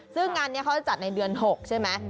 ซึ่งงานนี้เขาจะจัดในเดือน๖ใช่ไหม